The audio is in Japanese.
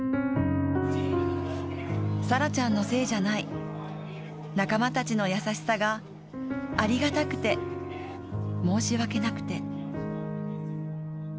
沙羅ちゃんのせいじゃない、仲間たちの優しさがありがたくて、申し訳なくて。